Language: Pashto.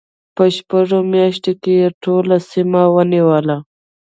په شپږو میاشتو کې یې ټوله سیمه ونیوله.